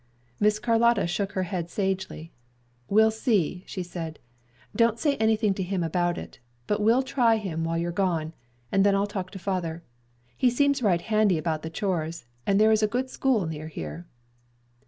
Miss Carlotta shook her head sagely. "We'll see," she said. "Don't say anything to him about it, but we'll try him while you're gone, and then I'll talk to father. He seems right handy about the chores, and there is a good school near here."